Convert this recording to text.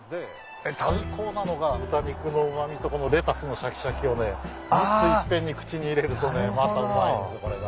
最高なのが豚肉のうま味とレタスのシャキシャキを３ついっぺんに口に入れるとねまたうまいんですこれが。